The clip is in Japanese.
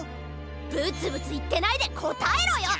ブツブツいってないでこたえろよ！